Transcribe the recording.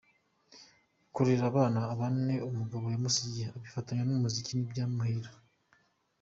Kurera abana bane umugabo yamusigiye abifatanya n’umuziki ntibyamuhira.